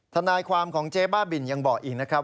ทนายความของเจ๊บ้าบินยังบอกอีกนะครับ